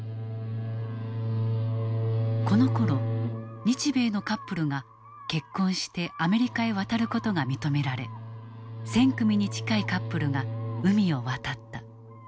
このころ日米のカップルが結婚してアメリカへ渡る事が認められ１，０００組に近いカップルが海を渡った。